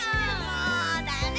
もうダメ！